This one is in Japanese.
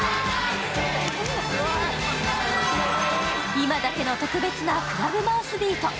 今だけの特別なクラブマウスビート。